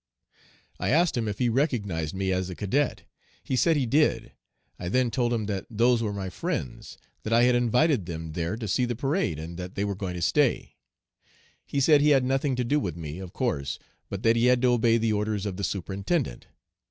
"I asked him if he recognized me as a cadet. He said he did. I then told him that those were my friends; that I had invited them there to see the parade, and that they were going to stay. He said he had nothing to do with me, of course, but that he had to obey the orders of the superintendent.